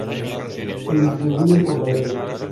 Se distribuyen por la India.